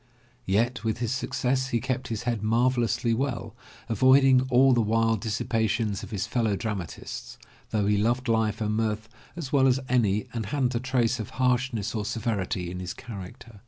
Yet with all his success he kept his head marvelously well, avoiding all the wild dissipations of his fellow dramatists, though he loved life and mirth as well as any and hadn't a trace of harshness or severity in his character.